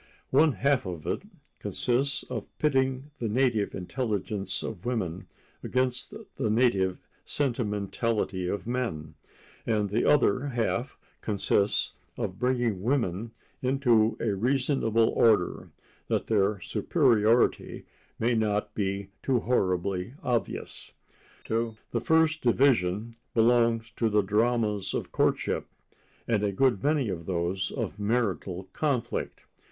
One half of it consists of pitting the native intelligence of women against the native sentimentality of men, and the other half consists of bringing women into a reasonable order, that their superiority may not be too horribly obvious. To the first division belong the dramas of courtship, and a good many of those of marital conflict.